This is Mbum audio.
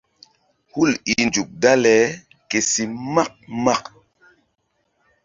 Hul i nzuk dale ke si mak mak.